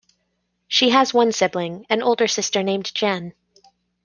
She has one sibling, an older sister named Jen.